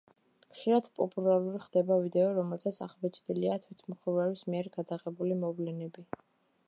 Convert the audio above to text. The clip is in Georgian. ხშირად პოპულარული ხდება ვიდეო, რომელზეც აღბეჭდილია თვითმხილველის მიერ გადაღებული მოვლენები.